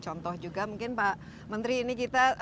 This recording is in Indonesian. contoh juga mungkin pak menteri ini kita